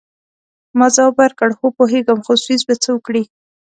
ما ځواب ورکړ: هو، پوهیږم، خو سویس به څه وکړي؟